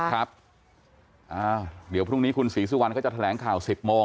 ครับอ้าวเดี๋ยวพรุ่งนี้คุณศรีสุวรรณก็จะแถลงข่าว๑๐โมง